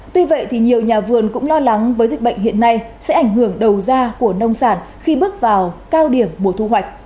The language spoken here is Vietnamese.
tuy vậy thì nhiều nhà vườn cũng lo lắng với dịch bệnh hiện nay sẽ ảnh hưởng đầu ra của nông sản khi bước vào cao điểm mùa thu hoạch